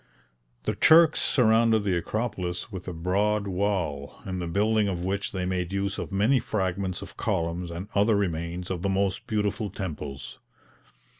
The Turks surrounded the Acropolis with a broad wall, in the building of which they made use of many fragments of columns and other remains of the most beautiful temples.